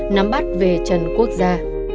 nắm bắt về trần quốc gia